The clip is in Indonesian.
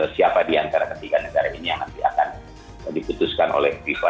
siapa di antara ketiga negara ini yang nanti akan diputuskan oleh fifa